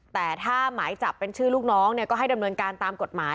แต่ถ้าหมายจับเป็นชื่อลูกน้องเนี่ยก็ให้ดำเนินการตามกฎหมาย